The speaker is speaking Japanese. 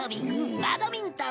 バドミントン